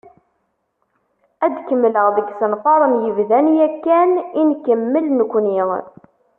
Ad d-kemmleɣ deg yisenfaren yebdan yakan i nekemmel nekkni.